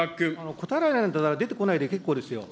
答えられないんだったら出てこないで結構ですよ。